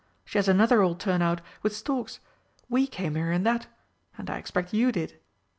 She has another old turn out, with storks. We came here in that and I expect you did."